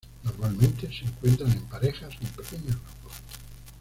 Normalmente se encuentran en parejas o en pequeños grupos.